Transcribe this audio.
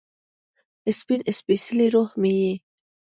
سپین سپيڅلې روح مې یې